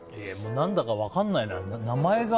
何だか分かんないな、名前が。